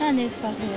それ。